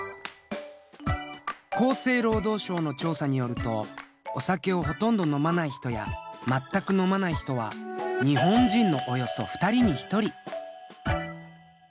厚生労働省の調査によるとお酒をほとんど飲まない人やまったく飲まない人は日本人のおよそ２人に１人。